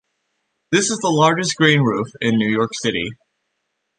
This is the largest green roof in New York City.